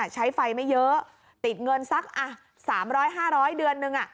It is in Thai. ใช้ไฟไม่เยอะติดเงินสัก๓๐๐๕๐๐เดือนนึง